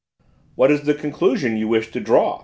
"What is the conclusion you wish to draw?"